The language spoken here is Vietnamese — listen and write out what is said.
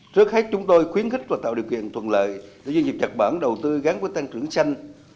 trước hết chúng tôi khuyến khích và tạo điều kiện thuận lợi để doanh nghiệp nhật bản đầu tư gắn với tăng trưởng xanh